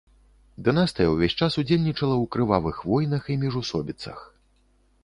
Дынастыя ўвесь час ўдзельнічала ў крывавых войнах і міжусобіцах.